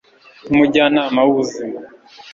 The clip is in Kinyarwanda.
nku mujyanama wu buzima